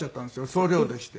総領でして。